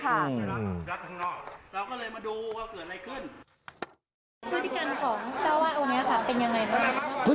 พฤติกรรมของเจ้าอาวาสวันนี้ค่ะเป็นอย่างไรบ้าง